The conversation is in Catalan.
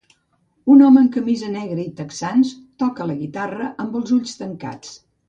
Un home amb camisa negra i texans toca la guitarra amb els ulls tancats.